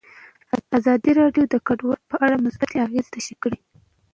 ازادي راډیو د کډوال په اړه مثبت اغېزې تشریح کړي.